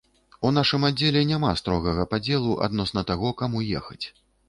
У нашым аддзеле няма строгага падзелу адносна таго, каму ехаць.